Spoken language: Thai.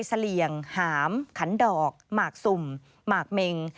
เสลี่ยงหามขันดอกหมากสุ่มหมากเมง